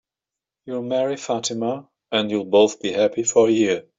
You'll marry Fatima, and you'll both be happy for a year.